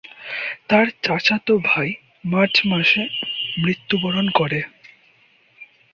তার চাচাতো ভাই মার্চ মাসে মৃত্যুবরণ করে।